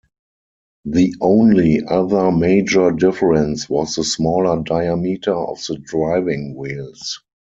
The only other major difference was the smaller diameter of the driving wheels.